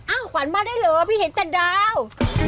อ้าวขวัญมาได้เลยว่าพี่เห็นแต่ดาว